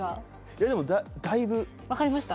いやでもだいぶ分かりました？